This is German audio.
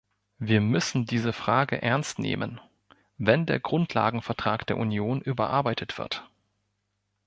Wir müssen diese Frage ernst nehmen, wenn der Grundlagenvertrag der Union überarbeitet wird.